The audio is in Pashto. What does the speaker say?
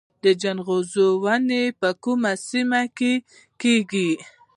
د جلغوزیو ونې په کومو سیمو کې کیږي؟